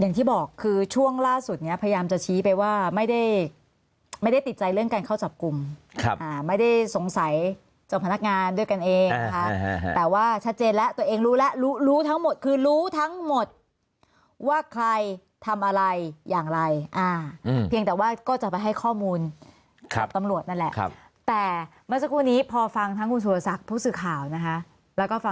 อย่างที่บอกคือช่วงล่าสุดเนี่ยพยายามจะชี้ไปว่าไม่ได้ไม่ได้ติดใจเรื่องการเข้าจับกลุ่มไม่ได้สงสัยเจ้าพนักงานด้วยกันเองนะคะแต่ว่าชัดเจนแล้วตัวเองรู้แล้วรู้รู้ทั้งหมดคือรู้ทั้งหมดว่าใครทำอะไรอย่างไรเพียงแต่ว่าก็จะไปให้ข้อมูลกับตำรวจนั่นแหละแต่เมื่อสักครู่นี้พอฟังทั้งคุณสุรศักดิ์ผู้สื่อข่าวนะคะแล้วก็ฟัง